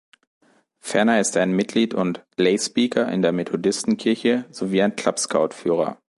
Ferner ist er ein Mitglied und "Lay Speaker" in der Methodistenkirche sowie ein Club-Scout-Führer.